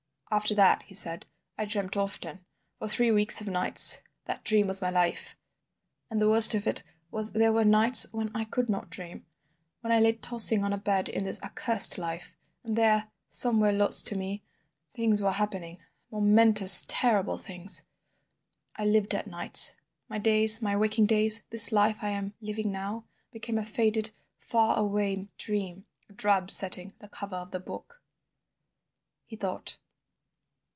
"After that," he said, "I dreamt often. For three weeks of nights that dream was my life. And the worst of it was there were nights when I could not dream, when I lay tossing on a bed in this accursed life; and there—somewhere lost to me—things were happening—momentous, terrible things ... I lived at nights—my days, my waking days, this life I am living now, became a faded, far away dream, a drab setting, the cover of the book." He thought.